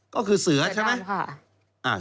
ก็คือเสือใช่ไหมเสือดำค่ะ